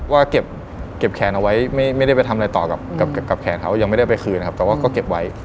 ว่าเก็บแขนเอาไว้ไม่ได้ไปทำอะไรต่อกับแขนเขายังไม่ได้ไปคืนนะครับแต่ว่าก็เก็บไว้